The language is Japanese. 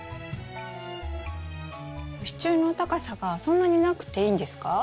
支柱の高さがそんなになくていいんですか？